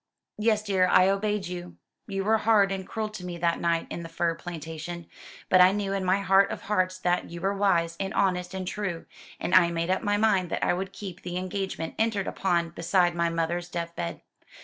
"Yes, dear, I obeyed you. You were hard and cruel to me that night in the fir plantation; but I knew in my heart of hearts that you were wise, and honest, and true; and I made up my mind that I would keep the engagement entered upon beside my mother's death bed.